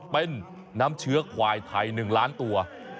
เป็นน้ำเชื้อควายไทย๑ล้านตัว